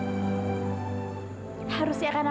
aku juga bener bener pengen nyobain